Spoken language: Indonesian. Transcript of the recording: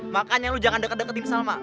makanya lu jangan deket deketin salma